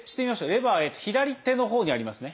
レバー左手のほうにありますね。